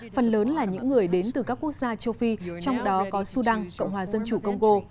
phần lớn là những người đến từ các quốc gia châu phi trong đó có sudan cộng hòa dân chủ congo